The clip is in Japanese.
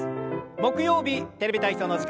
木曜日「テレビ体操」の時間です。